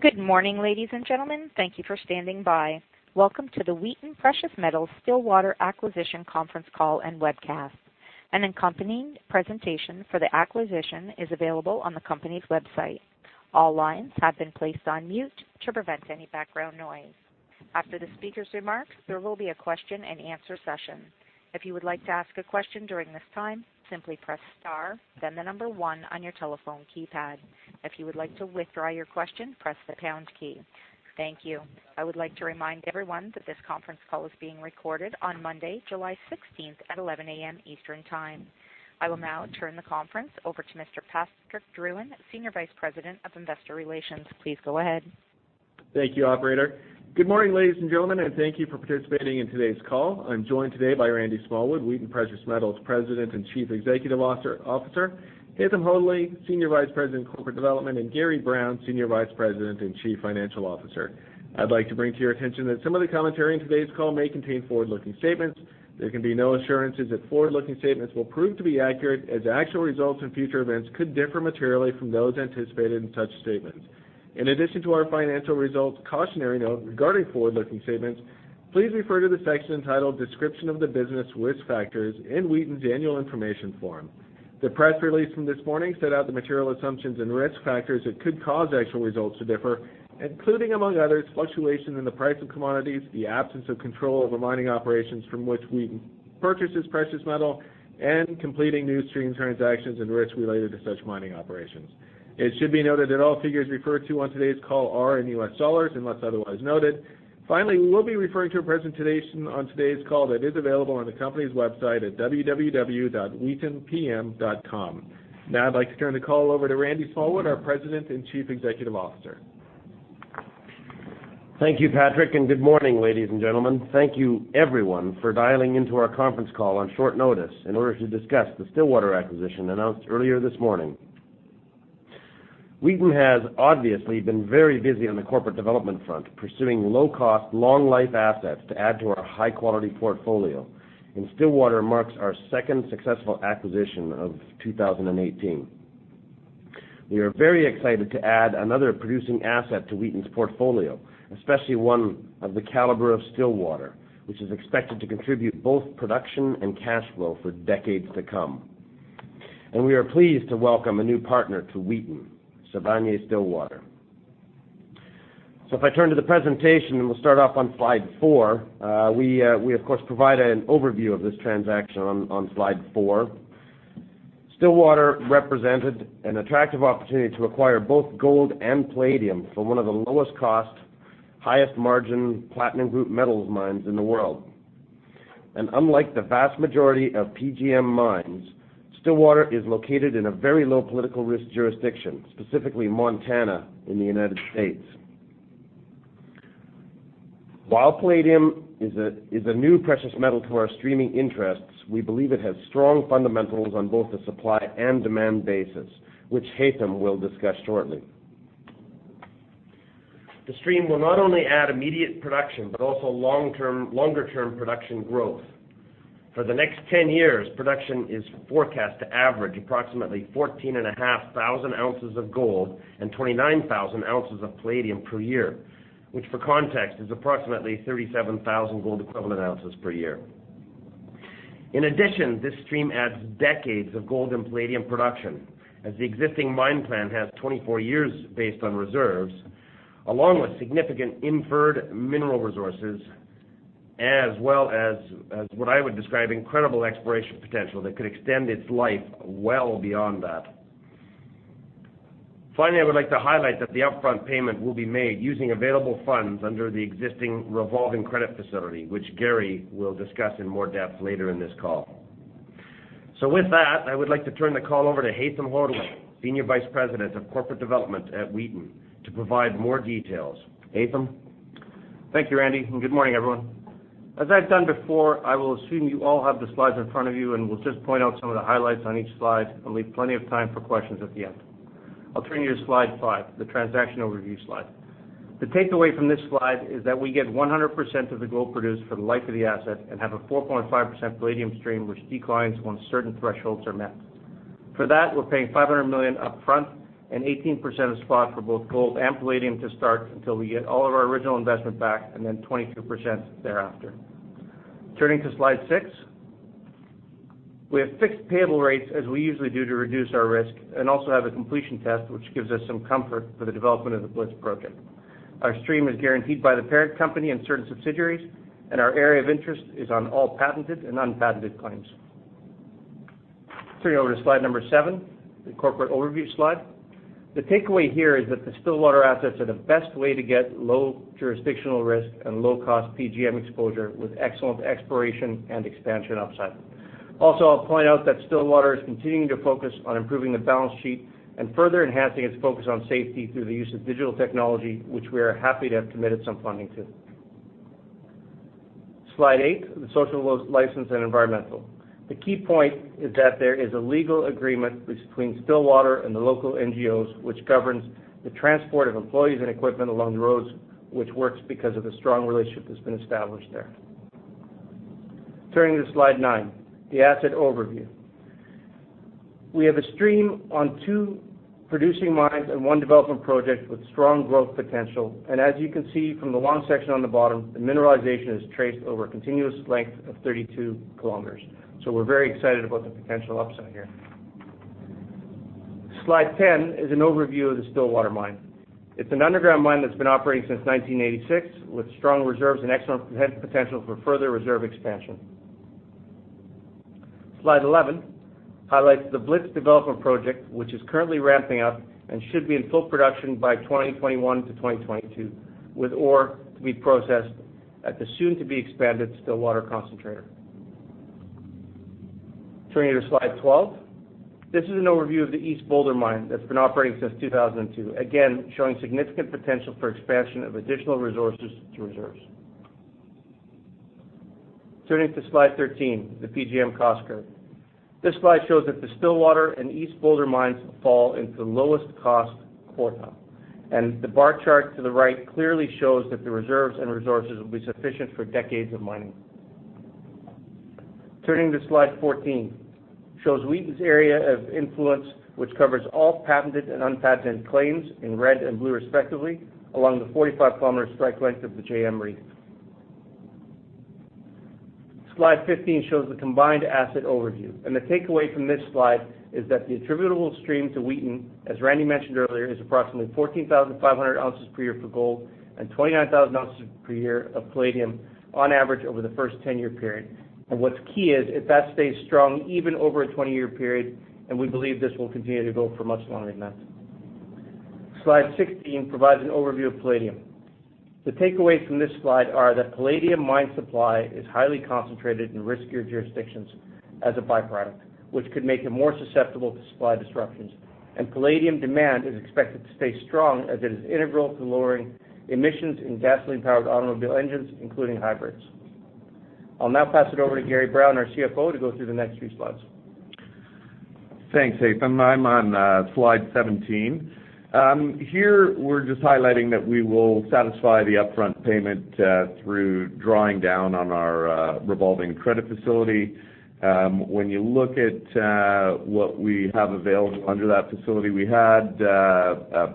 Good morning, ladies and gentlemen. Thank you for standing by. Welcome to the Wheaton Precious Metals Stillwater Acquisition Conference Call and Webcast. An accompanying presentation for the acquisition is available on the company's website. All lines have been placed on mute to prevent any background noise. After the speaker's remarks, there will be a question and answer session. If you would like to ask a question during this time, simply press star, then number 1 on your telephone keypad. If you would like to withdraw your question, press the pound key. Thank you. I would like to remind everyone that this conference call is being recorded on Monday, July 16th at 11:00 A.M. Eastern Time. I will now turn the conference over to Mr. Patrick Drouin, Senior Vice President of Investor Relations. Please go ahead. Thank you, operator. Good morning, ladies and gentlemen, and thank you for participating in today's call. I'm joined today by Randy Smallwood, Wheaton Precious Metals President and Chief Executive Officer, Haytham Hodaly, Senior Vice President of Corporate Development, and Gary Brown, Senior Vice President and Chief Financial Officer. I'd like to bring to your attention that some of the commentary in today's call may contain forward-looking statements. There can be no assurances that forward-looking statements will prove to be accurate, as actual results in future events could differ materially from those anticipated in such statements. In addition to our financial results cautionary note regarding forward-looking statements, please refer to the section entitled Description of the Business Risk Factors in Wheaton's annual information form. The press release from this morning set out the material assumptions and risk factors that could cause actual results to differ, including, among others, fluctuation in the price of commodities, the absence of control over mining operations from which Wheaton purchases precious metal, and completing new stream transactions and risks related to such mining operations. It should be noted that all figures referred to on today's call are in US dollars, unless otherwise noted. Finally, we will be referring to a presentation on today's call that is available on the company's website at www.wheatonpm.com. Now, I'd like to turn the call over to Randy Smallwood, our President and Chief Executive Officer. Thank you, Patrick, and good morning, ladies and gentlemen. Thank you, everyone, for dialing into our conference call on short notice in order to discuss the Stillwater acquisition announced earlier this morning. Wheaton has obviously been very busy on the corporate development front, pursuing low-cost, long-life assets to add to our high-quality portfolio, and Stillwater marks our second successful acquisition of 2018. We are very excited to add another producing asset to Wheaton's portfolio, especially one of the caliber of Stillwater, which is expected to contribute both production and cash flow for decades to come. We are pleased to welcome a new partner to Wheaton, Sibanye-Stillwater. If I turn to the presentation, and we'll start off on slide four, we of course provide an overview of this transaction on slide four. Stillwater represented an attractive opportunity to acquire both gold and palladium from one of the lowest cost, highest margin platinum group metals mines in the world. Unlike the vast majority of PGM mines, Stillwater is located in a very low political risk jurisdiction, specifically Montana in the U.S. While palladium is a new precious metal to our streaming interests, we believe it has strong fundamentals on both the supply and demand basis, which Haytham will discuss shortly. The stream will not only add immediate production, but also longer-term production growth. For the next 10 years, production is forecast to average approximately 14,500 ounces of gold and 29,000 ounces of palladium per year, which, for context, is approximately 37,000 gold equivalent ounces per year. In addition, this stream adds decades of gold and palladium production, as the existing mine plan has 24 years based on reserves, along with significant inferred mineral resources, as well as, what I would describe, incredible exploration potential that could extend its life well beyond that. Finally, I would like to highlight that the upfront payment will be made using available funds under the existing revolving credit facility, which Gary will discuss in more depth later in this call. With that, I would like to turn the call over to Haytham Hodaly, Senior Vice President of Corporate Development at Wheaton, to provide more details. Haytham? Thank you, Randy, and good morning, everyone. As I've done before, I will assume you all have the slides in front of you and will just point out some of the highlights on each slide and leave plenty of time for questions at the end. I'll turn you to slide five, the transaction overview slide. The takeaway from this slide is that we get 100% of the gold produced for the life of the asset and have a 4.5% palladium stream which declines once certain thresholds are met. For that, we're paying $500 million upfront and 18% of spot for both gold and palladium to start until we get all of our original investment back, then 22% thereafter. Turning to slide six, we have fixed payable rates as we usually do to reduce our risk and also have a completion test, which gives us some comfort for the development of the Blitz project. Our stream is guaranteed by the parent company and certain subsidiaries. Our area of interest is on all patented and unpatented claims. Turning over to slide number seven, the corporate overview slide. The takeaway here is that the Stillwater assets are the best way to get low jurisdictional risk and low cost PGM exposure with excellent exploration and expansion upside. I'll point out that Stillwater is continuing to focus on improving the balance sheet and further enhancing its focus on safety through the use of digital technology, which we are happy to have committed some funding to. Slide eight, the social license and environmental. The key point is that there is a legal agreement between Stillwater and the local NGOs, which governs the transport of employees and equipment along the roads, which works because of the strong relationship that's been established there. Turning to slide nine, the asset overview. We have a stream on two producing mines and one development project with strong growth potential. As you can see from the long section on the bottom, the mineralization is traced over a continuous length of 32 kilometers. We're very excited about the potential upside here. Slide 10 is an overview of the Stillwater Mine. It's an underground mine that's been operating since 1986 with strong reserves and excellent potential for further reserve expansion. Slide 11 highlights the Blitz development project, which is currently ramping up and should be in full production by 2021 to 2022, with ore to be processed at the soon-to-be-expanded Stillwater concentrator. Turning to slide 12. This is an overview of the East Boulder Mine that's been operating since 2002, again, showing significant potential for expansion of additional resources to reserves. Turning to slide 13, the PGM cost curve. This slide shows that the Stillwater and East Boulder Mines fall into the lowest cost quartile. The bar chart to the right clearly shows that the reserves and resources will be sufficient for decades of mining. Turning to slide 14, shows Wheaton's area of influence, which covers all patented and unpatented claims in red and blue respectively, along the 45-kilometer strike length of the J-M Reef. Slide 15 shows the combined asset overview. The takeaway from this slide is that the attributable stream to Wheaton, as Randy mentioned earlier, is approximately 14,500 ounces per year for gold and 29,000 ounces per year of palladium on average over the first 10-year period. What's key is that stays strong even over a 20-year period, and we believe this will continue to go for much longer than that. Slide 16 provides an overview of palladium. The takeaways from this slide are that palladium mine supply is highly concentrated in riskier jurisdictions as a byproduct, which could make it more susceptible to supply disruptions. Palladium demand is expected to stay strong as it is integral to lowering emissions in gasoline-powered automobile engines, including hybrids. I'll now pass it over to Gary Brown, our CFO, to go through the next few slides. Thanks, Haytham. I'm on slide 17. Here, we're just highlighting that we will satisfy the upfront payment through drawing down on our revolving credit facility. When you look at what we have available under that facility, we had,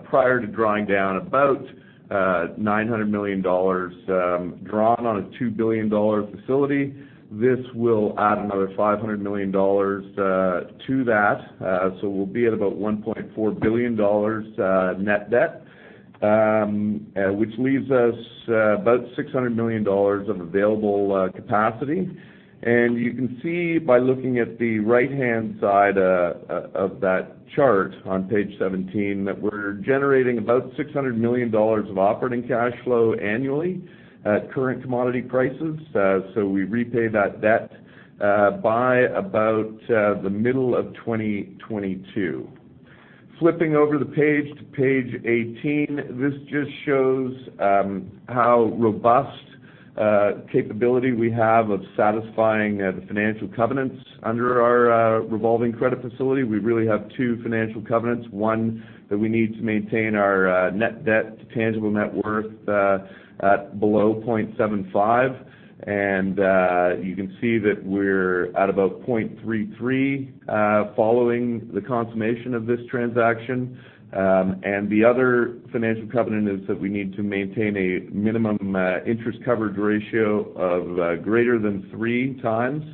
prior to drawing down, about $900 million drawn on a $2 billion facility. This will add another $500 million to that. We'll be at about $1.4 billion net debt, which leaves us about $600 million of available capacity. You can see by looking at the right-hand side of that chart on page 17, that we're generating about $600 million of operating cash flow annually at current commodity prices. We repay that debt by about the middle of 2022. Flipping over the page to page 18, this just shows how robust capability we have of satisfying the financial covenants under our revolving credit facility. We really have two financial covenants. One, that we need to maintain our net debt to tangible net worth at below 0.75. You can see that we're at about 0.33 following the consummation of this transaction. The other financial covenant is that we need to maintain a minimum interest coverage ratio of greater than three times,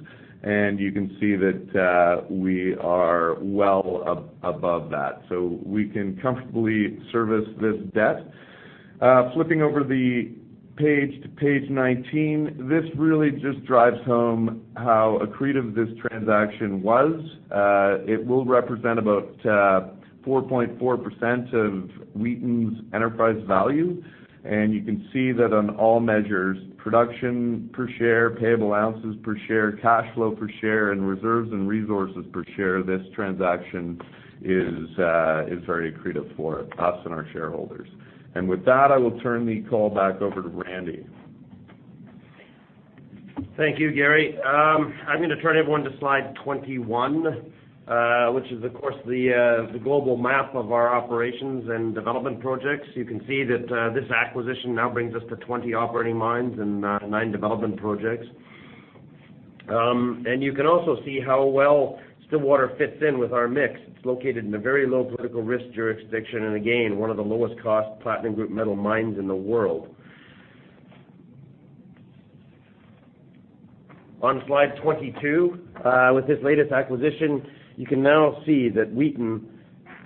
and you can see that we are well above that. We can comfortably service this debt. Flipping over the page to page 19, this really just drives home how accretive this transaction was. It will represent about 4.4% of Wheaton's enterprise value. You can see that on all measures, production per share, payable ounces per share, cash flow per share, and reserves and resources per share, this transaction is very accretive for us and our shareholders. With that, I will turn the call back over to Randy. Thank you, Gary. I'm going to turn everyone to slide 21, which is, of course, the global map of our operations and development projects. You can see that this acquisition now brings us to 20 operating mines and 9 development projects. You can also see how well Stillwater fits in with our mix. It's located in a very low political risk jurisdiction and again, one of the lowest cost platinum group metal mines in the world. On slide 22, with this latest acquisition, you can now see that Wheaton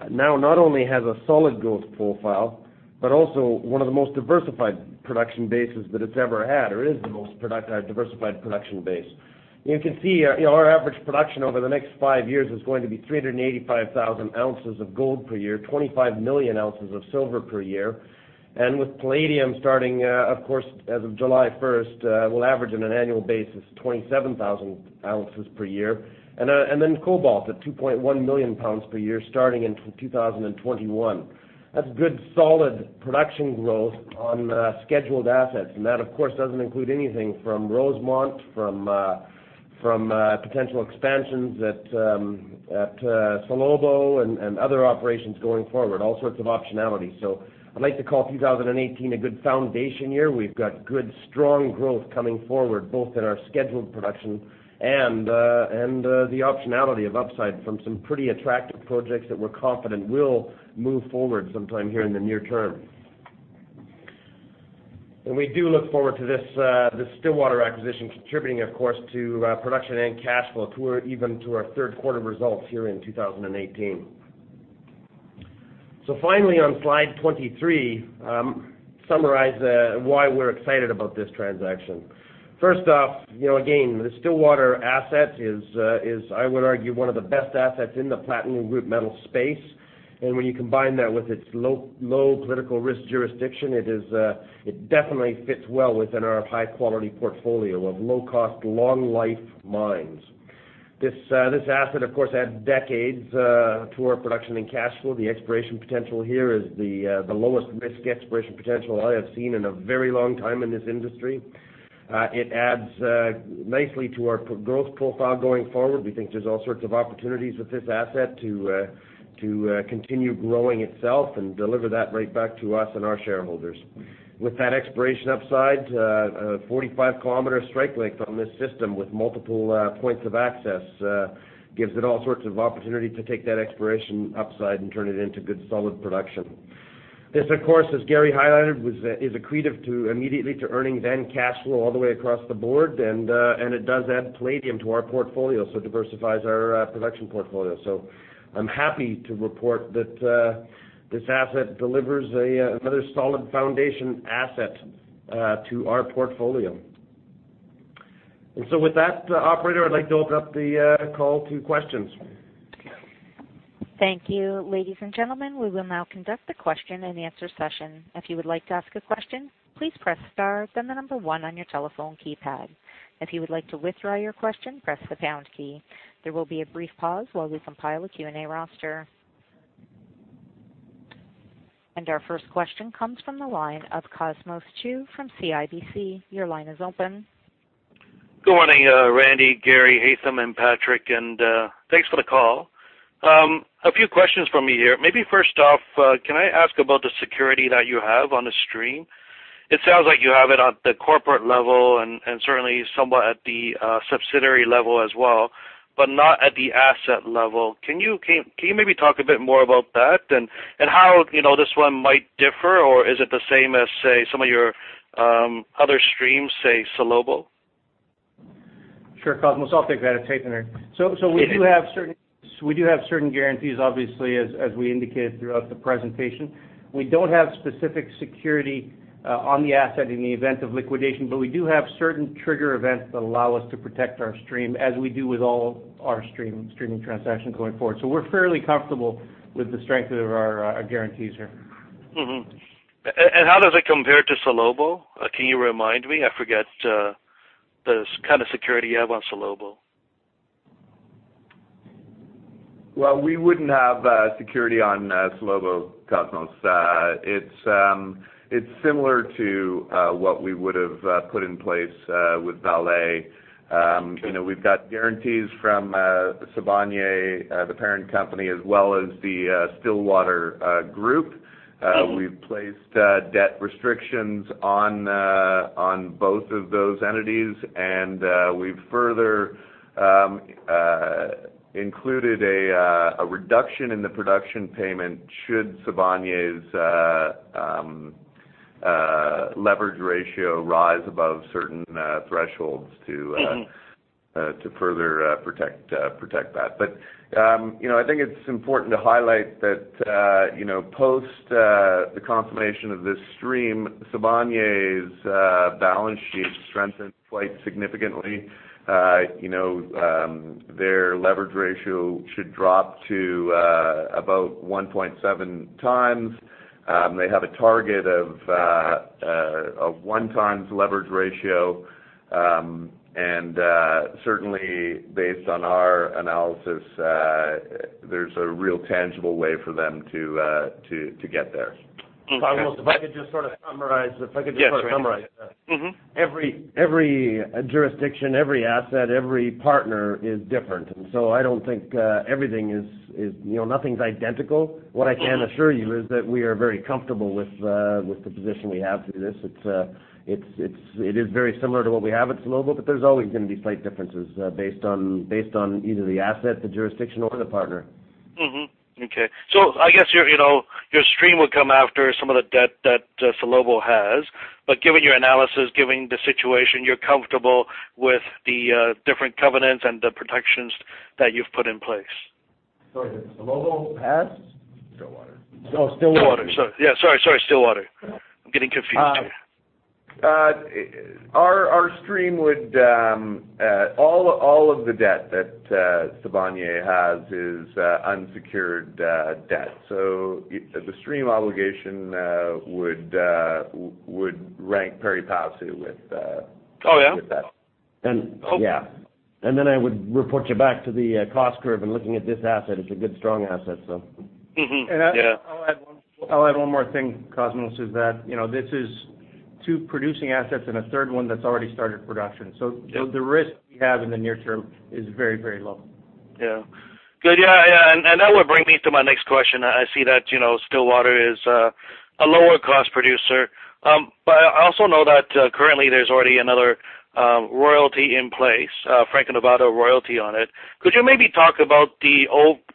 now not only has a solid growth profile, but also one of the most diversified production bases that it's ever had, or is the most diversified production base. You can see our average production over the next 5 years is going to be 385,000 ounces of gold per year, 25 million ounces of silver per year, and with palladium starting, of course, as of July 1st, we'll average on an annual basis 27,000 ounces per year. Cobalt at 2.1 million pounds per year starting in 2021. That's good, solid production growth on scheduled assets. That, of course, doesn't include anything from Rosemont, from potential expansions at Salobo and other operations going forward, all sorts of optionality. I'd like to call 2018 a good foundation year. We've got good, strong growth coming forward, both in our scheduled production and the optionality of upside from some pretty attractive projects that we're confident will move forward sometime here in the near term. We do look forward to this Stillwater acquisition contributing, of course, to production and cash flow even to our third quarter results here in 2018. Finally, on slide 23, summarize why we're excited about this transaction. First off, again, the Stillwater asset is, I would argue, one of the best assets in the platinum group metal space. When you combine that with its low political risk jurisdiction, it definitely fits well within our high-quality portfolio of low-cost, long-life mines. This asset, of course, adds decades to our production in cash flow. The exploration potential here is the lowest risk exploration potential I have seen in a very long time in this industry. It adds nicely to our growth profile going forward. We think there's all sorts of opportunities with this asset to continue growing itself and deliver that right back to us and our shareholders. With that exploration upside, a 45-kilometer strike length on this system with multiple points of access gives it all sorts of opportunity to take that exploration upside and turn it into good, solid production. This, of course, as Gary highlighted, is accretive immediately to earnings and cash flow all the way across the board, and it does add palladium to our portfolio, so it diversifies our production portfolio. I'm happy to report that this asset delivers another solid foundation asset to our portfolio. With that, operator, I'd like to open up the call to questions. Thank you. Ladies and gentlemen, we will now conduct the question and answer session. If you would like to ask a question, please press star, then the number 1 on your telephone keypad. If you would like to withdraw your question, press the pound key. There will be a brief pause while we compile a Q&A roster. Our first question comes from the line of Cosmos Chiu from CIBC. Your line is open. Good morning, Randy, Gary, Haytham, and Patrick, and thanks for the call. A few questions from me here. Maybe first off, can I ask about the security that you have on the stream? It sounds like you have it at the corporate level and certainly somewhat at the subsidiary level as well, but not at the asset level. Can you maybe talk a bit more about that and how this one might differ, or is it the same as, say, some of your other streams, say, Salobo? Sure, Cosmos. I'll take that. It's Haytham here. We do have certain guarantees, obviously, as we indicated throughout the presentation. We don't have specific security on the asset in the event of liquidation, but we do have certain trigger events that allow us to protect our stream, as we do with all our streaming transactions going forward. We're fairly comfortable with the strength of our guarantees here. Mm-hmm. How does it compare to Salobo? Can you remind me? I forget the kind of security you have on Salobo. Well, we wouldn't have security on Salobo, Cosmos. It's similar to what we would have put in place with Vale. We've got guarantees from Sibanye, the parent company, as well as the Stillwater Group. We've placed debt restrictions on both of those entities, and we've further included a reduction in the production payment should Sibanye's leverage ratio rise above certain thresholds to further protect that. I think it's important to highlight that post the confirmation of this stream, Sibanye's balance sheet strengthened quite significantly. Their leverage ratio should drop to about 1.7 times. They have a target of a 1 times leverage ratio. Certainly based on our analysis, there's a real tangible way for them to get there. Cosmos, if I could just sort of summarize that. Yes. Mm-hmm. Every jurisdiction, every asset, every partner is different. I don't think everything is identical. What I can assure you is that we are very comfortable with the position we have through this. It is very similar to what we have at Salobo, but there's always going to be slight differences based on either the asset, the jurisdiction, or the partner. Mm-hmm. Okay. I guess your stream would come after some of the debt that Salobo has. Given your analysis, given the situation, you're comfortable with the different covenants and the protections that you've put in place? Sorry, that Salobo has? Stillwater. Oh, Stillwater. Yeah. Sorry, Stillwater. I'm getting confused here. All of the debt that Sibanye has is unsecured debt. The stream obligation would rank pari passu with that. Oh, yeah? Yeah. I would report you back to the cost curve, and looking at this asset, it's a good, strong asset. Mm-hmm. Yeah. I'll add one more thing, Cosmos, is that this is two producing assets and a third one that's already started production. The risk we have in the near term is very low. Yeah. Good. Yeah, that would bring me to my next question. I see that Stillwater is a lower cost producer. I also know that currently there's already another royalty in place, Franco-Nevada royalty on it. Could you maybe talk about the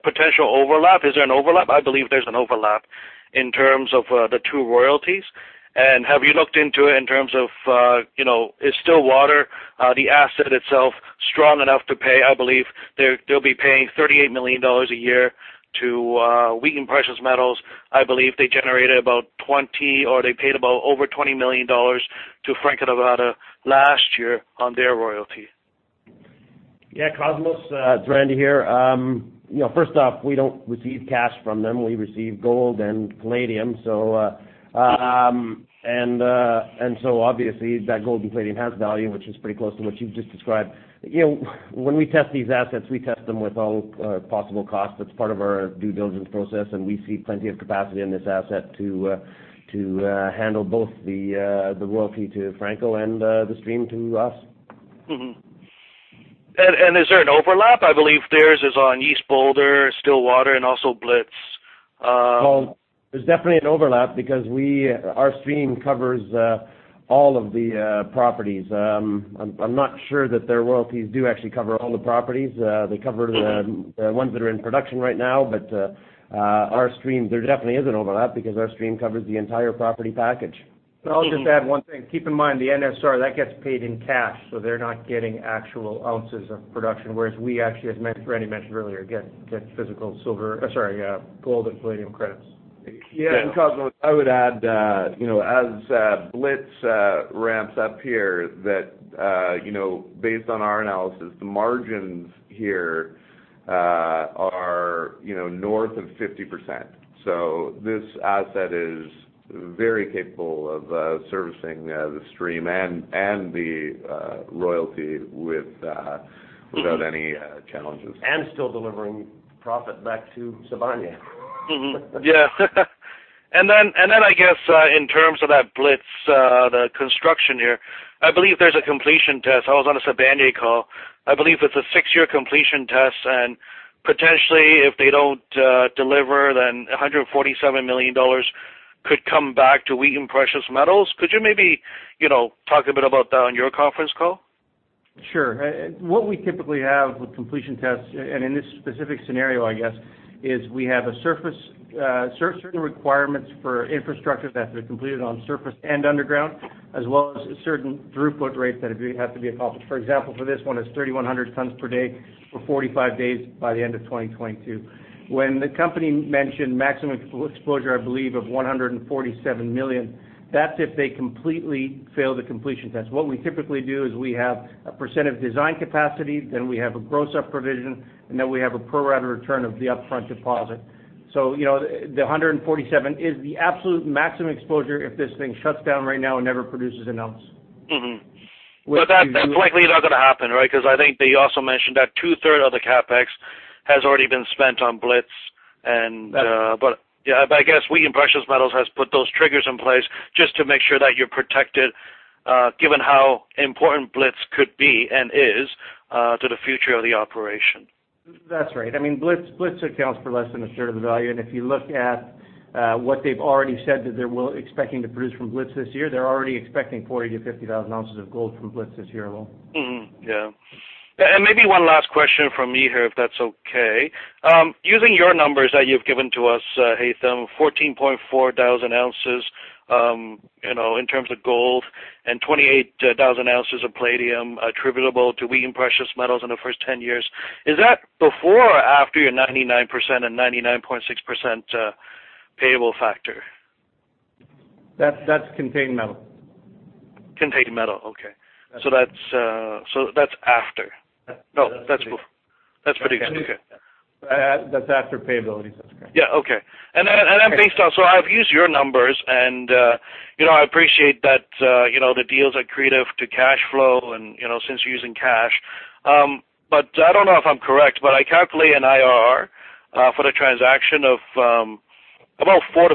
potential overlap? Is there an overlap? I believe there's an overlap in terms of the two royalties. Have you looked into it in terms of, is Stillwater, the asset itself, strong enough to pay? I believe they'll be paying $38 million a year to Wheaton Precious Metals. I believe they generated about 20, or they paid about over $20 million to Franco-Nevada last year on their royalty. Yeah, Cosmos, it's Randy here. First off, we don't receive cash from them. We receive gold and palladium. Obviously, that gold and palladium has value, which is pretty close to what you've just described. When we test these assets, we test them with all possible costs. That's part of our due diligence process, and we see plenty of capacity in this asset to handle both the royalty to Franco and the stream to us. Is there an overlap? I believe theirs is on East Boulder, Stillwater, and also Blitz. There's definitely an overlap because our stream covers all of the properties. I'm not sure that their royalties do actually cover all the properties. They cover the ones that are in production right now, there definitely is an overlap because our stream covers the entire property package. I'll just add one thing. Keep in mind, the NSR, that gets paid in cash, so they're not getting actual ounces of production, whereas we actually, as Randy mentioned earlier, get physical gold and palladium credits. Cosmos, I would add that as Blitz ramps up here, that based on our analysis, the margins here are north of 50%. This asset is very capable of servicing the stream and the royalty without any challenges. Delivering profit back to Sibanye. Mm-hmm. Yeah. I guess, in terms of that Blitz, the construction here, I believe there's a completion test. I was on a Sibanye call. I believe it's a 6-year completion test, and potentially if they don't deliver, then $147 million could come back to Wheaton Precious Metals. Could you maybe talk a bit about that on your conference call? Sure. What we typically have with completion tests, and in this specific scenario, I guess, is we have certain requirements for infrastructure that have to be completed on surface and underground, as well as certain throughput rates that have to be accomplished. For example, for this one, it's 3,100 tons per day for 45 days by the end of 2022. When the company mentioned maximum exposure, I believe, of $147 million, that's if they completely fail the completion test. What we typically do is we have a % of design capacity, then we have a gross up provision, and then we have a pro-rata return of the upfront deposit. The $147 is the absolute maximum exposure if this thing shuts down right now and never produces an ounce. Mm-hmm. That's likely not going to happen, right? Because I think they also mentioned that two-third of the CapEx has already been spent on Blitz. I guess Wheaton Precious Metals has put those triggers in place just to make sure that you're protected, given how important Blitz could be and is to the future of the operation. That's right. Blitz accounts for less than a third of the value, if you look at what they've already said that they're expecting to produce from Blitz this year, they're already expecting 40,000 to 50,000 ounces of gold from Blitz this year alone. Maybe one last question from me here, if that's okay. Using your numbers that you've given to us, Haytham, 14,400 ounces in terms of gold and 28,000 ounces of palladium attributable to Wheaton Precious Metals in the first 10 years. Is that before or after your 99% and 99.6% payable factor? That's contained metal. Contained metal, okay. That's after. No, that's before. That's pretty good. Okay. That's after payability. That's correct. Yeah. Okay. Based on, I've used your numbers and I appreciate that the deals are accretive to cash flow and since you're using cash. I don't know if I'm correct, but I calculate an IRR for the transaction of about 4%-5%.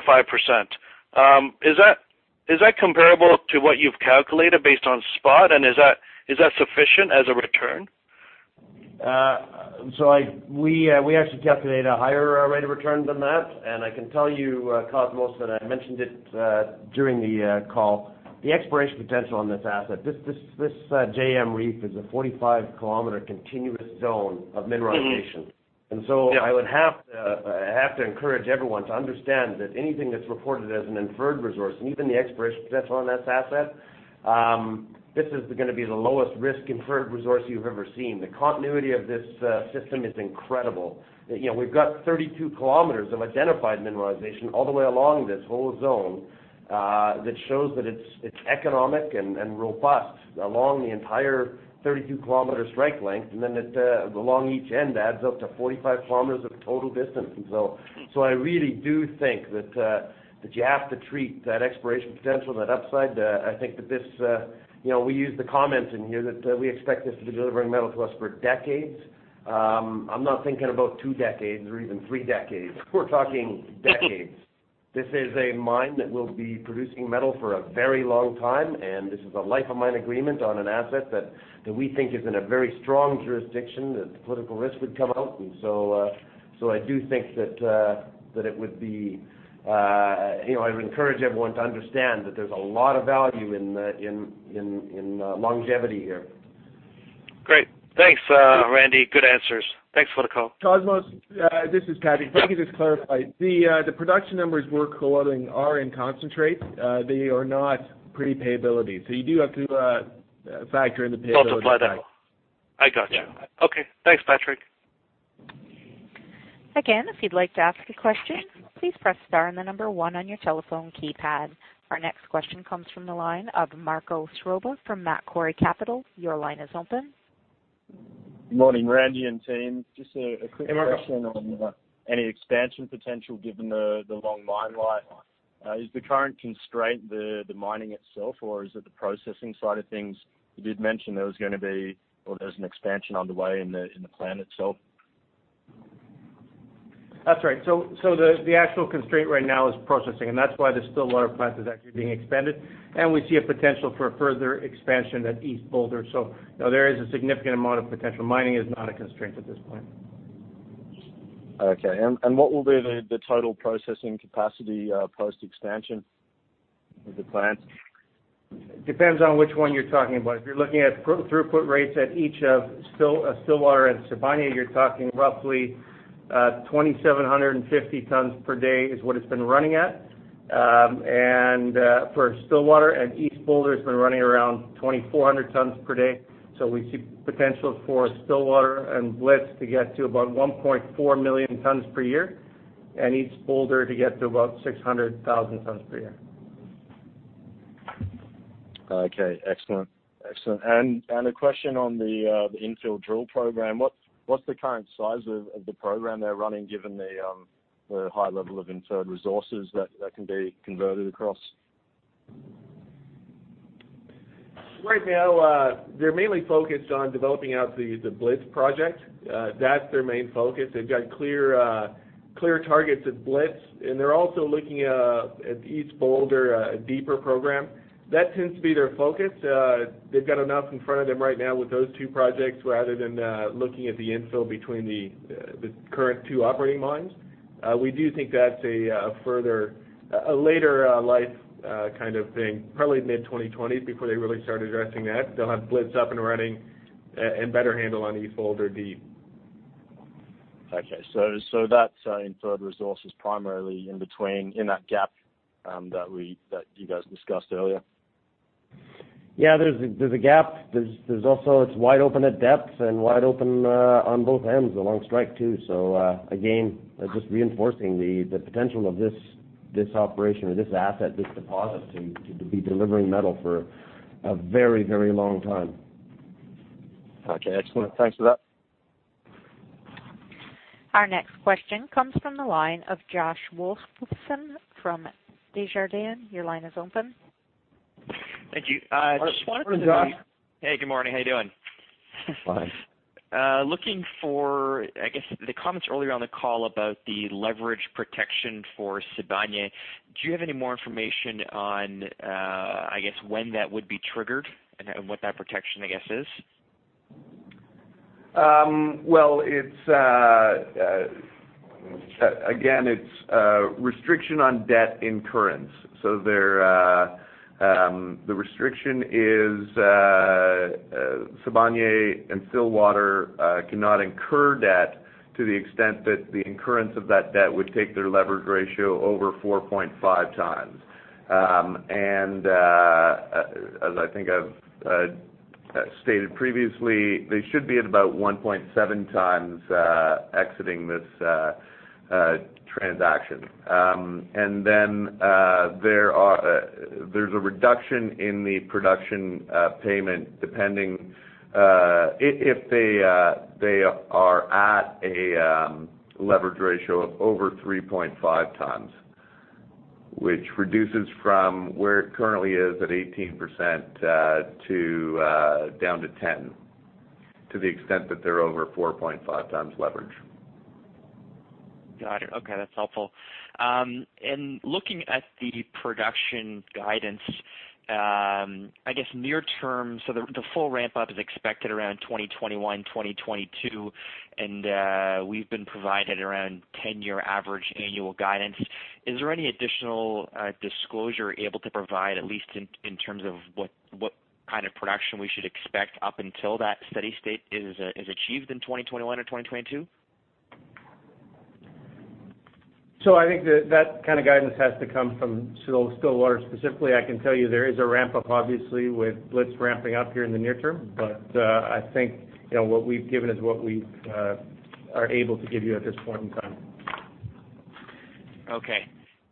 Is that comparable to what you've calculated based on spot, is that sufficient as a return? We actually calculate a higher rate of return than that. I can tell you, Cosmos, I mentioned it during the call, the exploration potential on this asset, this J-M Reef is a 45-kilometer continuous zone of mineralization. I would have to encourage everyone to understand that anything that's reported as an inferred resource, even the exploration potential on this asset, this is going to be the lowest risk inferred resource you've ever seen. The continuity of this system is incredible. We've got 32 kilometers of identified mineralization all the way along this whole zone that shows that it's economic and robust along the entire 32-kilometer strike length. Then along each end adds up to 45 kilometers of total distance. I really do think that you have to treat that exploration potential, that upside. We use the comments in here that we expect this to be delivering metal to us for decades. I'm not thinking about two decades or even three decades. We're talking decades. This is a mine that will be producing metal for a very long time. This is a life of mine agreement on an asset that we think is in a very strong jurisdiction that political risk would come out. I do think that it would be I would encourage everyone to understand that there's a lot of value in longevity here. Great. Thanks, Randy. Good answers. Thanks for the call. Cosmos, this is Patrick. Let me just clarify. The production numbers we're quoting are in concentrate. They are not pre-payability. You do have to factor in the payability side. Multiply that. I got you. Yeah. Okay. Thanks, Patrick. Again, if you'd like to ask a question, please press star and the number 1 on your telephone keypad. Our next question comes from the line of Marco Strobel from Macquarie Capital. Your line is open. Good morning, Randy and team. Just a quick question. Hey, Marco on any expansion potential given the long mine life. Is the current constraint the mining itself, or is it the processing side of things? You did mention there was going to be, or there's an expansion on the way in the plant itself. That's right. The actual constraint right now is processing, and that's why the Stillwater plant is actually being expanded. We see a potential for further expansion at East Boulder. No, there is a significant amount of potential. Mining is not a constraint at this point. What will be the total processing capacity, post-expansion of the plant? Depends on which one you're talking about. If you're looking at throughput rates at each of Stillwater and Sibanye, you're talking roughly 2,750 tons per day is what it's been running at for Stillwater, and East Boulder has been running around 2,400 tons per day. We see potential for Stillwater and Blitz to get to about 1.4 million tons per year, and East Boulder to get to about 600,000 tons per year. Excellent. A question on the infill drill program. What's the current size of the program they're running given the high level of inferred resources that can be converted across? Right now, they're mainly focused on developing out the Blitz project. That's their main focus. They've got clear targets at Blitz, and they're also looking at the East Boulder deeper program. That tends to be their focus. They've got enough in front of them right now with those two projects, rather than looking at the infill between the current two operating mines. We do think that's a later life kind of thing, probably mid-2020 before they really start addressing that. They'll have Blitz up and running and better handle on East Boulder deep. Okay. That inferred resource is primarily in between, in that gap that you guys discussed earlier? Yeah, there's a gap. It's wide open at depth and wide open on both ends along strike too. Again, just reinforcing the potential of this operation or this asset, this deposit, to be delivering metal for a very long time. Okay, excellent. Thanks for that. Our next question comes from the line of Josh Wolfson from Desjardins. Your line is open. Thank you. Morning, Josh. Hey, good morning. How you doing? Fine. Looking for, I guess, the comments earlier on the call about the leverage protection for Sibanye. Do you have any more information on, I guess, when that would be triggered and what that protection, I guess, is? Well, again, it's a restriction on debt incurrence. The restriction is Sibanye and Stillwater cannot incur debt to the extent that the incurrence of that debt would take their leverage ratio over 4.5 times. As I think I've stated previously, they should be at about 1.7 times exiting this transaction. There's a reduction in the production payment depending if they are at a leverage ratio of over 3.5 times, which reduces from where it currently is at 18% down to 10%, to the extent that they're over 4.5 times leverage. Got it. Okay, that's helpful. Looking at the production guidance, I guess near term, the full ramp up is expected around 2021, 2022, and we've been provided around 10-year average annual guidance. Is there any additional disclosure you're able to provide, at least in terms of what kind of production we should expect up until that steady state is achieved in 2021 or 2022? I think that that kind of guidance has to come from Stillwater specifically. I can tell you there is a ramp up obviously with Blitz ramping up here in the near term. I think what we've given is what we are able to give you at this point in time. Okay.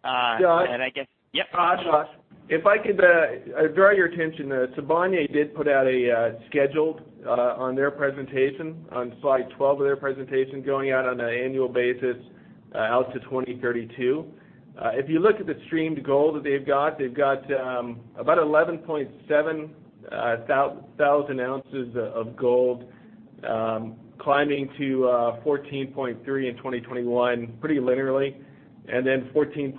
I guess. Josh? Yep. If I could draw your attention, Sibanye did put out a schedule on their presentation, on slide 12 of their presentation, going out on an annual basis out to 2032. If you look at the streamed gold that they've got, they've got about 11.7 thousand ounces of gold, climbing to 14.3 in 2021 pretty linearly, and then 14.7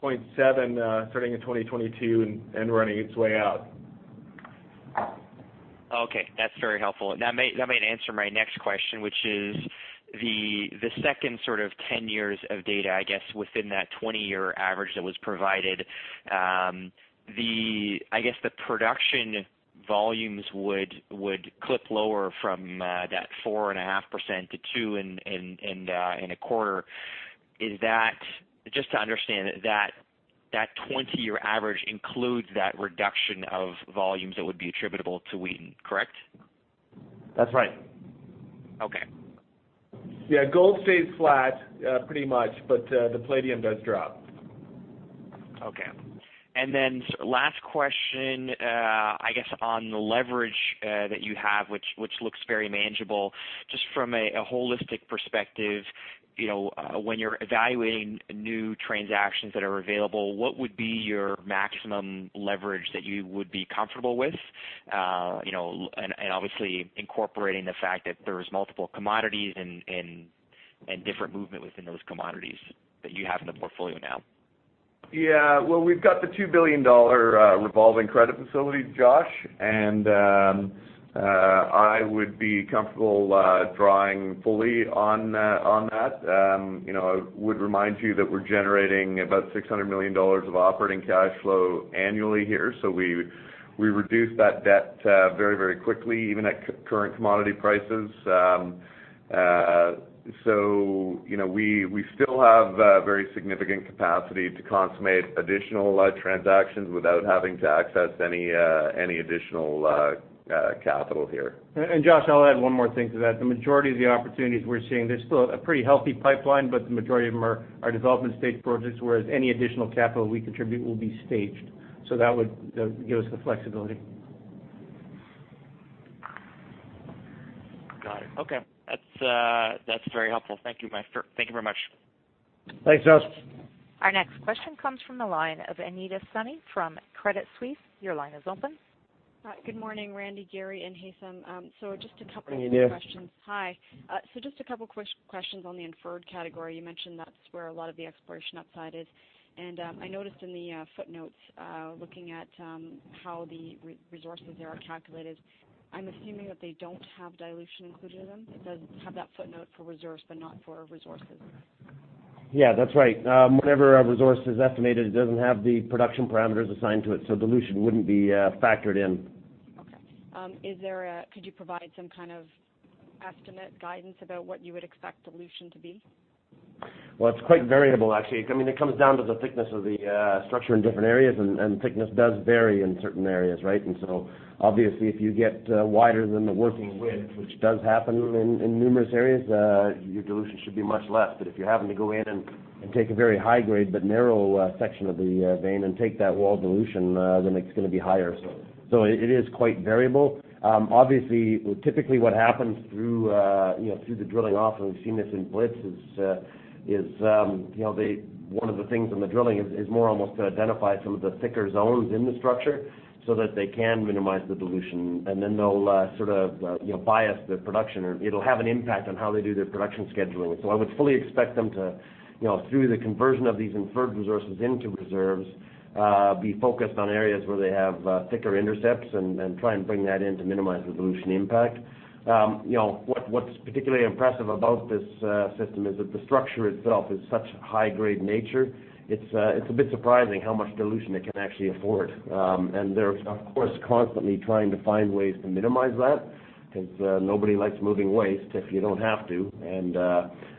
starting in 2022 and running its way out. Okay, that's very helpful. That might answer my next question, which is The second sort of 10 years of data, I guess, within that 20-year average that was provided, I guess the production volumes would clip lower from that 4.5% to 2% and a quarter. Just to understand, that 20-year average includes that reduction of volumes that would be attributable to Wheaton, correct? That's right. Okay. Yeah. Gold stays flat pretty much, the palladium does drop. Okay. Then last question, I guess on the leverage that you have, which looks very manageable, just from a holistic perspective, when you're evaluating new transactions that are available, what would be your maximum leverage that you would be comfortable with? Obviously incorporating the fact that there's multiple commodities and different movement within those commodities that you have in the portfolio now. Yeah. Well, we've got the $2 billion revolving credit facility, Josh, I would be comfortable drawing fully on that. I would remind you that we're generating about $600 million of operating cash flow annually here. We reduce that debt very quickly, even at current commodity prices. We still have very significant capacity to consummate additional transactions without having to access any additional capital here. Josh, I'll add one more thing to that. The majority of the opportunities we're seeing, there's still a pretty healthy pipeline, but the majority of them are development stage projects, whereas any additional capital we contribute will be staged. That would give us the flexibility. Got it. Okay. That's very helpful. Thank you very much. Thanks, Josh. Our next question comes from the line of Anita Soni from Credit Suisse. Your line is open. Hi. Good morning, Randy, Gary, and Haytham. Just a couple of quick questions. Hey, Anita. Hi. Just a couple quick questions on the inferred category. You mentioned that's where a lot of the exploration upside is, and I noticed in the footnotes, looking at how the resources there are calculated, I'm assuming that they don't have dilution included in them. It does have that footnote for reserves, but not for resources. Yeah, that's right. Whenever a resource is estimated, it doesn't have the production parameters assigned to it, so dilution wouldn't be factored in. Okay. Could you provide some kind of estimate guidance about what you would expect dilution to be? Well, it's quite variable, actually. It comes down to the thickness of the structure in different areas, and thickness does vary in certain areas, right? Obviously, if you get wider than the working width, which does happen in numerous areas, your dilution should be much less. If you're having to go in and take a very high grade but narrow section of the vein and take that wall dilution, then it's going to be higher. It is quite variable. Obviously, typically what happens through the drilling off, and we've seen this in Blitz, is one of the things in the drilling is more almost to identify some of the thicker zones in the structure so that they can minimize the dilution, and then they'll sort of bias the production, or it'll have an impact on how they do their production scheduling. I would fully expect them to, through the conversion of these inferred resources into reserves, be focused on areas where they have thicker intercepts and try and bring that in to minimize the dilution impact. What's particularly impressive about this system is that the structure itself is such high-grade nature. It's a bit surprising how much dilution it can actually afford. They're, of course, constantly trying to find ways to minimize that because nobody likes moving waste if you don't have to.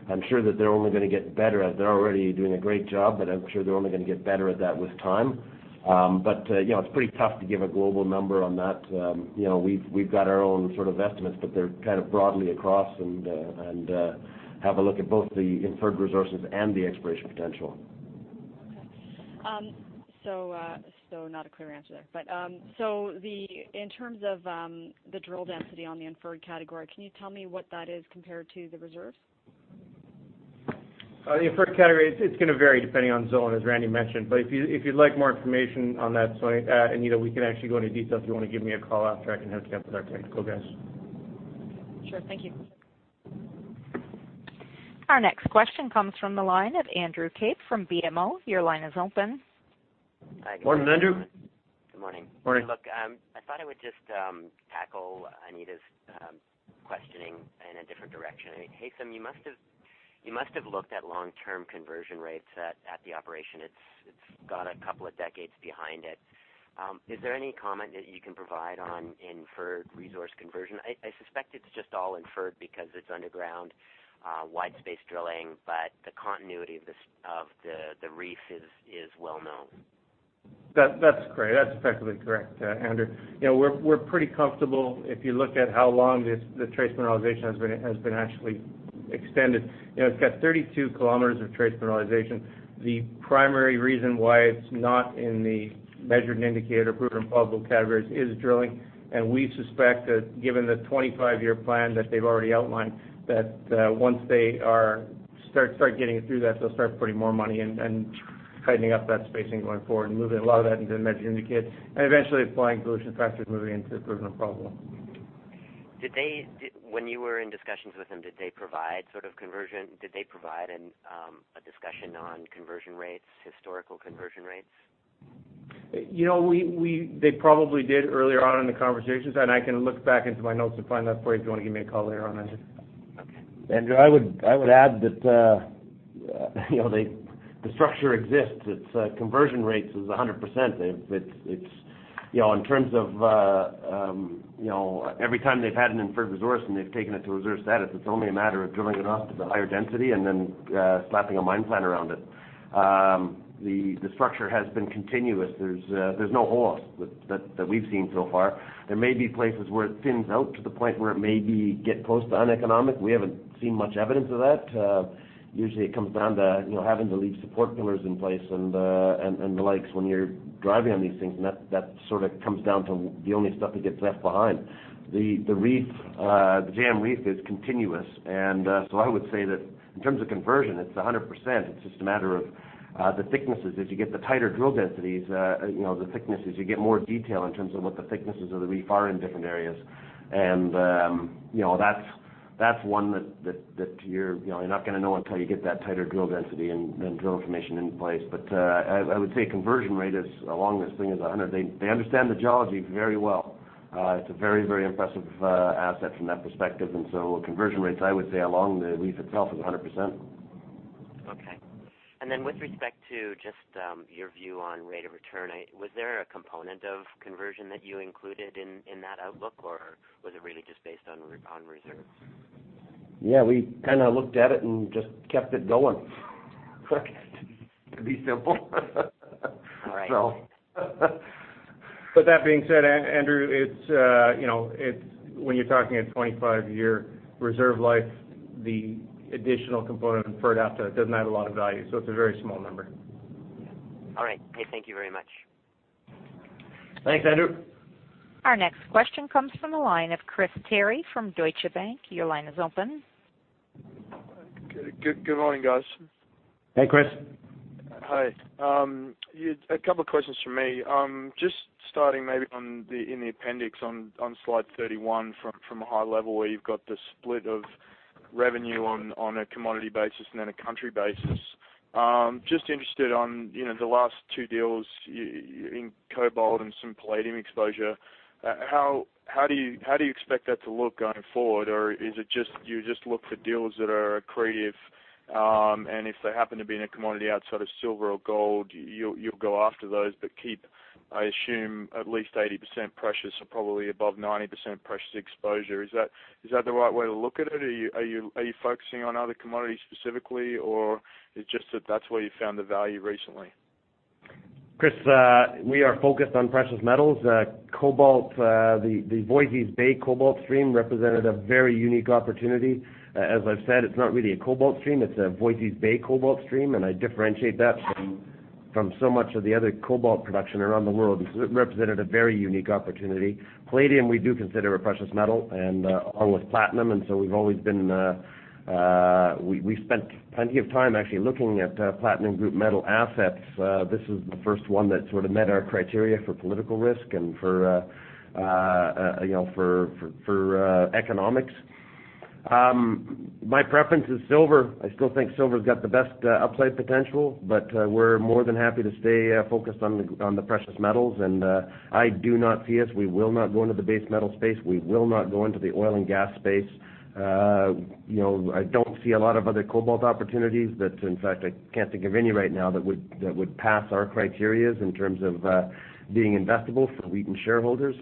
I'm sure that they're only going to get better. They're already doing a great job, but I'm sure they're only going to get better at that with time. It's pretty tough to give a global number on that. We've got our own sort of estimates, but they're kind of broadly across and have a look at both the inferred resources and the exploration potential. Okay. Not a clear answer there. In terms of the drill density on the inferred category, can you tell me what that is compared to the reserves? Inferred category, it's going to vary depending on zone, as Randy mentioned, but if you'd like more information on that front, Anita, we can actually go into detail if you want to give me a call after I can have a chat with our technical guys. Okay, sure. Thank you. Our next question comes from the line of Andrew Kaip from BMO. Your line is open. Morning, Andrew. Good morning. Morning. Look, I thought I would just tackle Anita's questioning in a different direction. Haytham, you must have looked at long-term conversion rates at the operation. It's got a couple of decades behind it. Is there any comment that you can provide on inferred resource conversion? I suspect it's just all inferred because it's underground wide-space drilling, but the continuity of the reef is well known. That's great. That's effectively correct, Andrew. We're pretty comfortable if you look at how long the trace mineralization has been actually extended. It's got 32 kilometers of trace mineralization. The primary reason why it's not in the measured, indicated, proven and probable categories is drilling. We suspect that given the 25-year plan that they've already outlined, that once they start getting through that, they'll start putting more money in and tightening up that spacing going forward and moving a lot of that into measured, indicated, and eventually applying dilution factors moving into the proven probable. When you were in discussions with them, did they provide a discussion on conversion rates, historical conversion rates? They probably did earlier on in the conversations, and I can look back into my notes and find that for you if you want to give me a call later on, Andrew. Okay. Andrew, I would add that the structure exists. Its conversion rate is 100%. In terms of every time they've had an inferred resource and they've taken it to reserve status, it's only a matter of drilling it off to the higher density and then slapping a mine plan around it. The structure has been continuous. There's no halt that we've seen so far. There may be places where it thins out to the point where it maybe gets close to uneconomic. We haven't seen much evidence of that. Usually, it comes down to having to leave support pillars in place and the likes when you're driving on these things, and that comes down to the only stuff that gets left behind. The J-M Reef is continuous, and so I would say that in terms of conversion, it's 100%. It's just a matter of the thicknesses. As you get the tighter drill densities, the thicknesses, you get more detail in terms of what the thicknesses of the reef are in different areas. That's one that you're not going to know until you get that tighter drill density and drill information in place. I would say the conversion rate along this thing is 100. They understand the geology very well. It's a very impressive asset from that perspective. Conversion rates, I would say, along the reef itself is 100%. Okay. With respect to just your view on rate of return, was there a component of conversion that you included in that outlook, or was it really just based on reserves? Yeah, we kind of looked at it and just kept it going to be simple. All right. That being said, Andrew, when you're talking a 25-year reserve life, the additional component inferred out doesn't add a lot of value, so it's a very small number. All right. Okay, thank you very much. Thanks, Andrew. Our next question comes from the line of Chris Terry from Deutsche Bank. Your line is open. Good morning, guys. Hey, Chris. Hi. A couple questions from me. Just starting maybe in the appendix on slide 31 from a high level where you've got the split of revenue on a commodity basis and then a country basis. Just interested on the last two deals in cobalt and some palladium exposure, how do you expect that to look going forward? Or do you just look for deals that are accretive, and if they happen to be in a commodity outside of silver or gold, you'll go after those, but keep, I assume, at least 80% precious or probably above 90% precious exposure? Is that the right way to look at it? Are you focusing on other commodities specifically, or is it just that that's where you found the value recently? Chris, we are focused on precious metals. Cobalt, the Voisey's Bay cobalt stream represented a very unique opportunity. As I've said, it's not really a cobalt stream, it's a Voisey's Bay cobalt stream. So it represented a very unique opportunity. Palladium we do consider a precious metal, along with platinum, so we've spent plenty of time actually looking at platinum group metal assets. This is the first one that sort of met our criteria for political risk and for economics. My preference is silver. I still think silver's got the best upside potential, but we're more than happy to stay focused on the precious metals. I do not see us, we will not go into the base metal space. We will not go into the oil and gas space. I don't see a lot of other cobalt opportunities that In fact, I can't think of any right now that would pass our criteria in terms of being investable for Wheaton shareholders.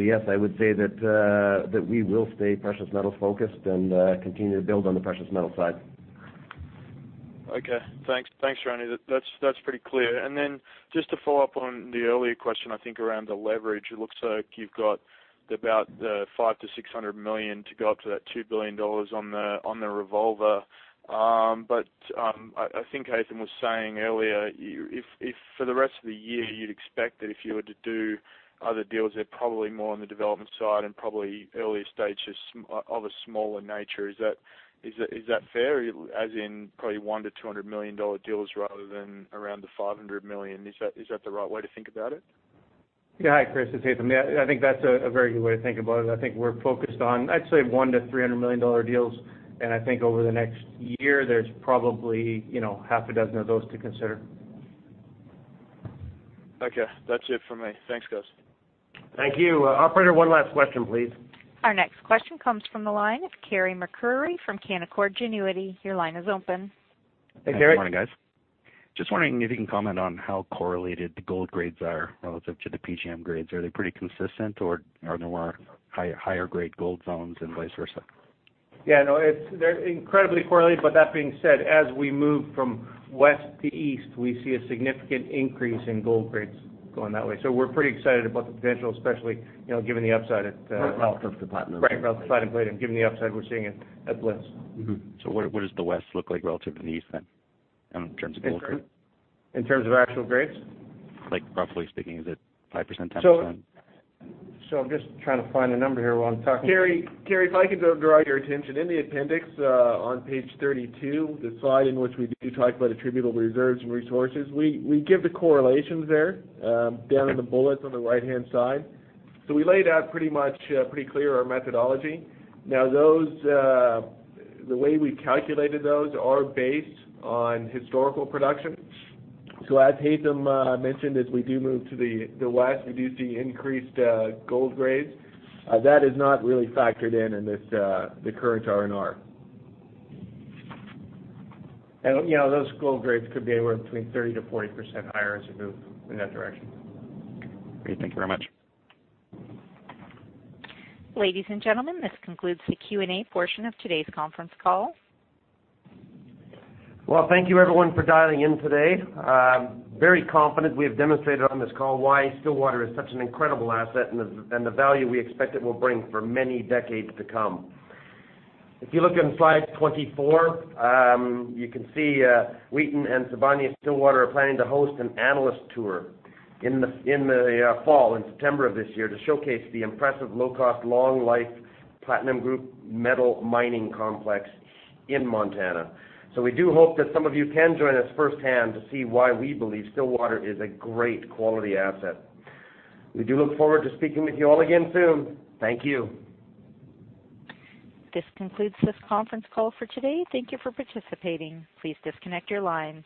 Yes, I would say that we will stay precious metal focused and continue to build on the precious metal side. Okay. Thanks, Randy. That's pretty clear. Just to follow up on the earlier question, I think, around the leverage, it looks like you've got about $500 million-$600 million to go up to that $2 billion on the revolver. I think Haytham was saying earlier, if for the rest of the year you'd expect that if you were to do other deals, they're probably more on the development side and probably earlier stages of a smaller nature. Is that fair, as in probably $100 million-$200 million deals rather than around the $500 million? Is that the right way to think about it? Hi, Chris, it's Haytham. I think that's a very good way to think about it. I think we're focused on, I'd say $100 million-$300 million deals, and I think over the next year, there's probably half a dozen of those to consider. Okay. That's it for me. Thanks, guys. Thank you. Operator, one last question, please. Our next question comes from the line of Carey MacRury from Canaccord Genuity. Your line is open. Hey, Carey. Good morning, guys. Just wondering if you can comment on how correlated the gold grades are relative to the PGM grades. Are they pretty consistent, or are there more higher grade gold zones and vice versa? Yeah, no, they're incredibly correlated, but that being said, as we move from west to east, we see a significant increase in gold grades going that way. We're pretty excited about the potential, especially given the upside. Relative to platinum. Right, relative to platinum. Given the upside we're seeing at Blitz. What does the west look like relative to the east, then, in terms of gold grade? In terms of actual grades? Like roughly speaking, is it 5%, 10%? I'm just trying to find the number here while I'm talking. Carey, if I could draw your attention. In the appendix, on page 32, the slide in which we do talk about attributable reserves and resources, we give the correlations there down in the bullets on the right-hand side. We laid out pretty clear our methodology. Now, the way we calculated those are based on historical production. As Haytham mentioned, as we do move to the west, we do see increased gold grades. That is not really factored in in the current R&R. Those gold grades could be anywhere between 30%-40% higher as we move in that direction. Okay. Great. Thank you very much. Ladies and gentlemen, this concludes the Q&A portion of today's conference call. Thank you everyone for dialing in today. Very confident we have demonstrated on this call why Stillwater is such an incredible asset and the value we expect it will bring for many decades to come. If you look on slide 24, you can see Wheaton and Sibanye-Stillwater are planning to host an analyst tour in the fall, in September of this year, to showcase the impressive low-cost, long-life platinum group metal mining complex in Montana. We do hope that some of you can join us firsthand to see why we believe Stillwater is a great quality asset. We do look forward to speaking with you all again soon. Thank you. This concludes this conference call for today. Thank you for participating. Please disconnect your lines.